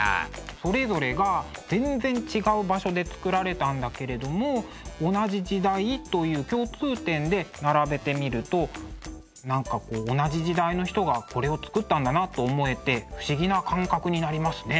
それぞれが全然違う場所でつくられたんだけれども同じ時代という共通点で並べてみると何か同じ時代の人がこれをつくったんだなと思えて不思議な感覚になりますね。